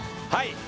はい。